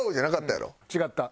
違った。